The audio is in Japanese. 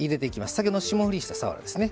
先ほどの霜降りしたさわらですね。